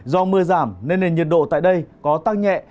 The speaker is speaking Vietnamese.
do mưa giảm nên nền nhiệt độ tại đây có tăng nhẹ